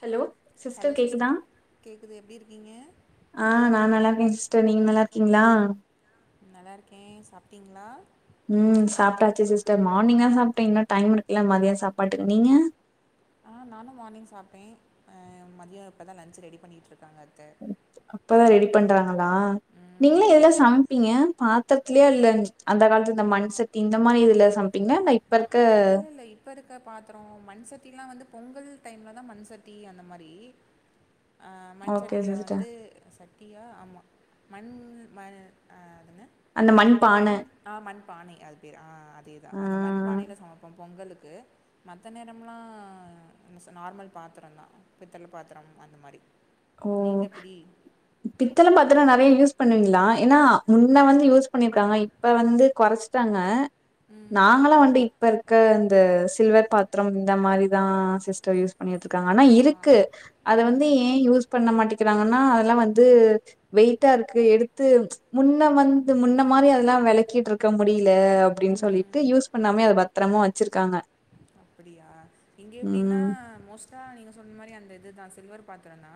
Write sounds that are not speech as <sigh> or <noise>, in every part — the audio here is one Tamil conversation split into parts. ஹலோ சிஸ்டர் கேக்குதா கேட்குது எப்படி இருக்கீங்க அ நா நல்லாருக்கே சிஸ் டர் நீங்க நல்லாருக்கீங்ளா நல்லாருக்கே சாப்ட்டிங்ளா ம் சாப்ட்டாச்சி சிஸ்டர் மார்னிங் தா சாப்ட்டே இன்னு டைம் இருக்குல்ல மதியோ சாப்பாட்டுக்கு நீங்க அ நானு மார்னிங் சாப்டே அ மதியோ இப்போ தா லன்ச் ரெடி பண்ணிட்ருக் அப்பாதா ரெடி பண்றாங்களா ம் நீங்களா எதுல ஆமாம் சமைப்பீங்க பாத் துறத்துலயா இல்ல அந்த காலத்துல இந்த மண்சட்டி இந்த மாதிரி இதுல சமைப்பீங்கள்ளா ந இப்ப இருக்க பொங்க பாத்ரோ மண்சட்டிலா வந்து பொங்கல் டைம்லதா மண்சட்டி அந்த மாரி அ மண் ஓகே சட்டியில சிஸ்டர் வந்து சட்டியா ஆமா மண் ம அ அந்த மண் பான பானை அது பேரு ஆ அதேதா அந்த ஆ மண்பானையில சமப்போ பொங்கலுக் கு மத்த நேரம்லா என்ன சொல்ல நார்மல் பாத்ரோதா பித்தள பாத்ரம் அந்த மாரி ஓ நீங்க எப்டி? பித்தள பாத்ரோ நெறைய யூஸ் பண்ணுவீங்ளா ஏன்னா முன்ன வந்து யூஸ் பண்ணிருக்காங்க இப்ப வந்து கொறச்சிட்டாங்க ம். நாங்களா வந்து இப்ப இருக் க இந்த சில்வர் பாத்ரம் இந்த மாரி தா சிஸ்டர் யூஸ் பண்ணிட்ருக் காங்க ஆனா ஆ. இருக்கு அத வந்து ம். ஏ யூஸ் பண்ண மாட்டிக்கிறாங்கன்னா அதெல்லா வந்து வெயிட்டா இருக்கு எடுத்து முன்ன வந்து முன்ன மா ர் அதெல்லா வெளக்கிட்ருக்க முடில அப்டின்னு சொல்லிட்டு ம். யூஸ் பண்ணாமயே அத பத்ரமா வெச்சிருக்காங்க அப்டியா இங்க எப்டினா மோஸ்ட் டா நீங்க சொன்ன மாரி அந்த இதுதா சில்வர் பாத்ரோதா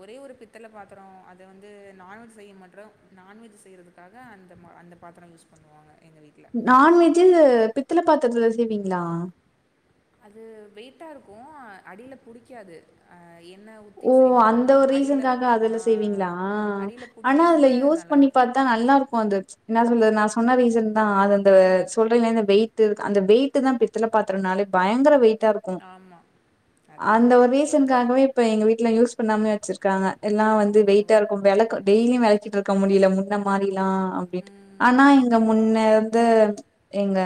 ஒரே ஒரு பித்தள பாத்ரோ அத வந்து நான் நான்வெஜ் செய்ய மாட்ரோ நான்வெஜ் செய்றதுக்காக அந்த மா அந்த பாத்ரோ யூஸ் பண்ணுவாங்க எங்க வீட்ல நான்வெஜூ பித்தள பாத்துரத்துல செய்வீங்ளா அது வெயிட்டாருக்கோ அடில புடிக்காது அ என் ஓ அந்த ஒரு ரீசனுக்காக ஆ அதுல செய்வீங்ளா அடியில ஆனா புடிக்காம அதுல யூஸ் பண்ணி நல்லாருக்கும் பாத் ன நல்லாருக்கோ அது என்ன சொல்றது நா சொன்ன ரீசன் தா அது அந்த சொல்றேல அந்த வெயிட் டு அந்த வெயிட்டு தா பித்தள பாத்துரோனாலே பயங்கர வெயிட் டாருக்கோ ஆமா. அந்த அதேதான். ஒரு ரீசனுக்காகவே இப்ப எங்க வீட் ல யூஸ் பண்ணாம்லே வெச்சிருக்காங்க எல்லா வந்து ஓ! வெயிட்டாருக்கோ வெளக்க டெய்லியு வெளக்கிட்டுருக்க முடில முன்ன மாரி லா அப்டின்ட்டு ஆனா ம். இங்க முன்ன து எங்க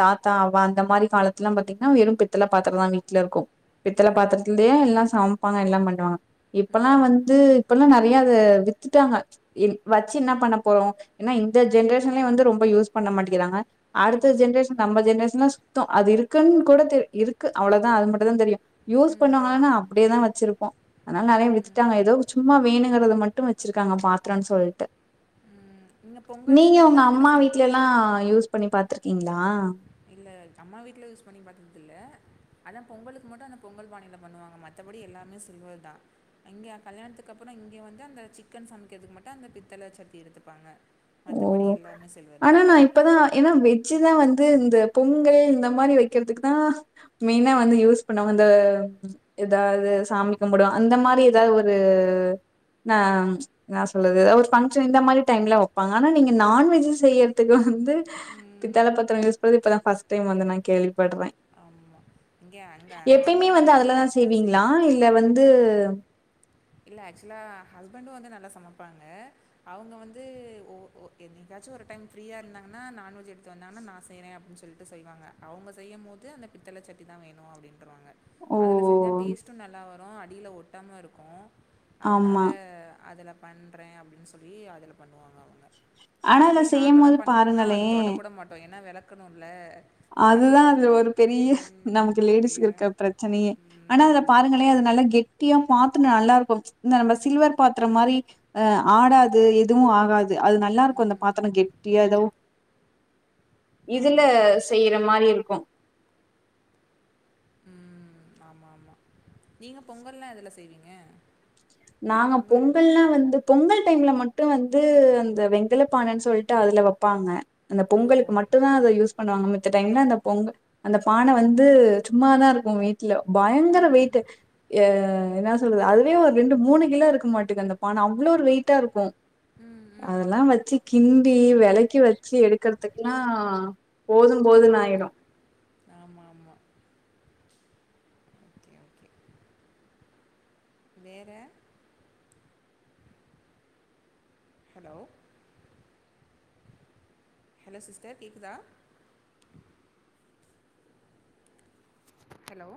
தாத்தா அவ்வா அந்த மாரி காலத்துலா பாத்தீங்கன்னா வெறு பித்தள பாத்துரோதா வீட்டுலருக்கோ பித்தள ஓ! பாத்திரத்துலயே எல்லா சமப்பாங்க எல்லா பண்ணுவாங்க இப்பல்லா ம். வந்து இப்பல்லா நெற் றைய அது வித்துட்டாங்க எ வெச்சி என்ன பண்ண போறோ ஏன்னா இந்த ஜென்ரேஷன்ல வந்து ரொம்ப யூஸ் பண்ண பண்ண மாட்டேகிறாங்க அடுத்த ம். ஜென்ரேஷன் நம்ப ஜென்ரேஷன்லா சுத்தோ அது இருக்குன் கூட தெ இருக்கு அவ்ளோதா அது மட்டுந்தா தெரியோ யூஸ் ம். பண்ணுவாங்களானா அப்டியேதா வெச் சிருப்போ அனால நெறைய ம். வித்துட்டாங்க ஏதோ சும்மா வேணுங்கறத மட்டு வெச்சிருக்காங்க பாத்ரோன்னு சொல்ட்டு இங்கே நீங்க ஒங்க பொங்கல்லாம் இதில் அம்மா செய் வீட்லலா யூஸ் பண்ணி பாத்துருக்கீங்ளா இல்ல அம்மா வீட்ல யூஸ் பண்ணி பாத்ததில்ல அதா பொங்கலுக்கு மட்டு அந்த பொங்கல் பானையில பண்ணுவாங்க மத்தபடி எல்லாமே சில்வர்தா இங்க கல்யாணத்துக்கு அப்றோ இங்க வந்து அந்த சிக்கன் சமைக்கறதுக்கு மட்டு அந்த பித்தள எடுத்துப்பாங்க ஓ மற்றபடி எல்லாமே சில்வர் ஆனா தான் நா இங்கேயும் இப்பதா ஏனா வெஜ்ஜிதா வந்து இந்த பொங்கல் இந்த மாரி வைக்கறதுக்கு தா மெயினா வந்து யூஸ் பண்ணுவாங்க இந்த எதாது சாமி கும்புட அந்த மாரி எதாது ஒரு ஆ எனா சொல்றது ஒரு ஃபங்க்ஷன் இந்த மாரி டைம்ல வ ப்பாங்க ஆனா நீங்க நான்வெஜு செய்யறதுக்கு வந்து பித்தாள பாத்ரோ யூஸ் பண்றது இப்பதா ஃபர்ஸ்ட் டைம் வந்து நா கே ள்வி பட்றே ஆமாம் இங்கே அங்கே எப்பயுமே மாமியார் வந்து அதுலதா அத்தை செய்வீங்களா இல்ல வந்து இல்ல அக்சுலா ஹஸ்பண்டு வந்து நல்லா சமப்பாங்க அவங்க வந்து ஓ ஓ எண்ணிகா ச்சு ஒரு டைம் ஃப்ரீயா இருந்தாங்கனா நான்வெஜ் எடுத்து வந்தாங்கனா நா செய்றே அப்டின்னு சொல்ட்டு செய்வாங்க அவங்க செய்யம்போது அந்த பித்தள சட்டி தா வேணு அப்டின்ருவாங்க ஓ! அதுல செஞ்சா டேஸ்ட்டு நல்லா வரு அடியில ஒட்டாம இருக்கு ஆமா. அதனால அதுல பண்றே அப்டின்னு சொல்லி அதுல பண்ணுவாங்க அவங்க ஆனா அத மத்தபடி நாங்கல்லா செய்யும்போது பண்ணோம்னா அது பாருங்களேன், தொடக்குட மாட்டோ ஏனா வெளக்கனுல அதுதா அது ஒரு பெரிய நமக்கு அதே லேடிஸ்க்கு தான் இருக்குற பிரச்சனையே ஆனா அதுல ம் பாருங்களே அது நல்லா கெட்டியா <unintelligible> நல்லாருக்கு இந்த நம்ப சில்வர் பாத்ரோ மாரி அ ஆடாது எதுவு ஆகாது அது நல்லாருக்கு அந்த பாத்ரோ கெட்டியா எதோ இதுல ஆமாம் ஆமாம் செய்ற மாரி இருக்கு ம் ஆமா ஆமா நீங்க பொங்கல்லா எதுல செய்வீங்க நாங்க பொங்கல் பொங்கல்லா வந்து பொங்கல் டைம்ல மட் டு வந்து அந்த வெங்கல பானன் சொல்ட்டு அதுல வப்பாங்க அந்த ஓ! பொங்கலுக்கு மட்டு்தா அத யூஸ் பண்ணுவாங்க மித் த டைம்லா அந்த பொங்க அந்த பான வந்து சும்மாதா இருக்கு வீட்ல பயங்கர ம். வெயிட்டு எனா சொல்றது அதுலயு ஒரு ரெண்டு மூனு கிலோ இருக்குமாட்டுக்கு அந்த பான அவ்ளோ ஒரு வெயிட்டா இருக்கு ம், அதெல்லா ம். வச்சி கிண் டி வெலக்கி வச்சி எடுக்கறதுக்லா போது போதுன்னு ஆயிடு ஆமா ஆமா ஓகே, ஓகே. வேற ஹலோ ஹலோ சிஸ்டர் கேக்குதா ஹலோ